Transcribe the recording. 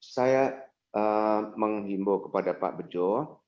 saya menghimbau kepada pak bejo